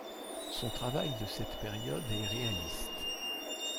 Son travail de cette période est réaliste.